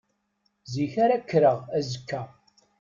Zik ara kkreɣ azekka.